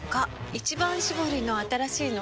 「一番搾り」の新しいの？